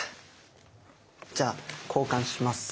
じゃあ交換します。